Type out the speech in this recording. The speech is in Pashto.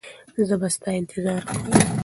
زه به ستا انتظار کوم.